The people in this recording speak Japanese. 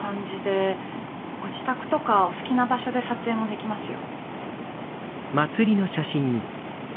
ご自宅とかお好きな場所で撮影もできますよ。